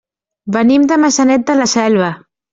Venim de Maçanet de la Selva.